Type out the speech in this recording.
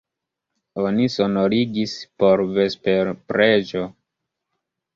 Oni sonorigis por vesperpreĝo.